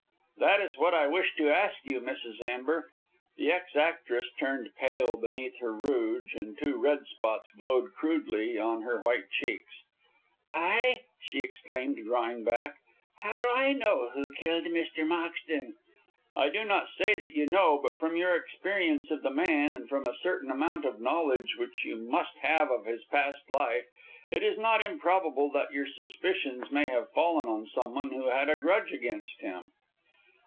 "That is what I wish to ask you, Mrs. Amber." The ex actress turned pale beneath her rouge, and two red spots glowed crudely on her white cheeks. "I!" she exclaimed, drawing back. "How do I know who killed Mr. Moxton?" "I do not say that you know, but from your experience of the man, and from a certain amount of knowledge which you must have of his past life, it is not improbable that your suspicions may have fallen on someone who had a grudge against him."